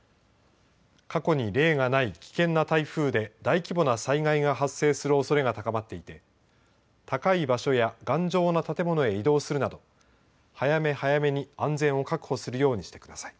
過去に例がない危険な台風で大規模な災害が発生するおそれが高まっていて高い場所や頑丈な建物へ移動するなど早め早めに安全を確保するようにしてください。